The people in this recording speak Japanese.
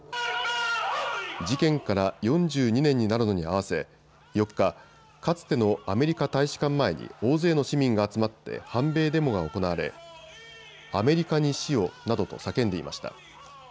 事件から４２年になるのに合わせ４日、かつてのアメリカ大使館前に大勢の市民が集まって反米デモが行われアメリカに死をなどと叫んでいました。